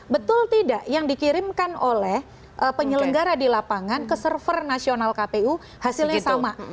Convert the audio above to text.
betul tidak yang dikirimkan oleh penyelenggara di lapangan ke server nasional kpu hasilnya sama